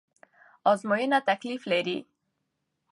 ازموينه تکليف لري